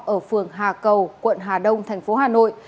ở phường hà cầu quận hà đông thành phố hà nội